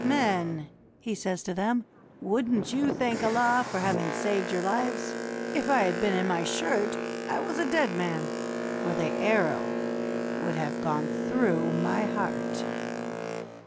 "Men," he says to them, "would n't you thank Allah for having saved your lives? If I had been in my shirt, I was a dead man, for the arrow would have gone through my heart."